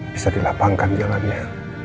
bisa dilapangkan jalannya